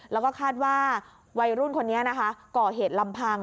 แล้วก็คาดว่าวัยรุ่นคนนี้นะคะก่อเหตุลำพัง